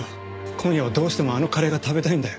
今夜はどうしてもあのカレーが食べたいんだよ。